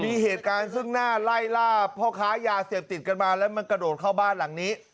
มีเหตุการณ์ซึ่งหน้าไล่ล่าพ่อค้ายาเสพติดกันมาแล้วมันกระโดดเข้าบ้านหลังนี้